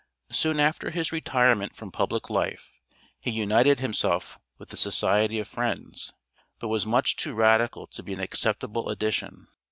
Soon after his retirement from public life, he united himself with the Society of Friends, but was much too radical to be an acceptable addition.